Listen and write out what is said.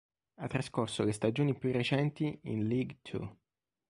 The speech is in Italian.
Ha trascorso le stagioni più recenti in League Two.